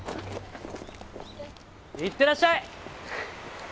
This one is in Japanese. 行ってらっしゃい！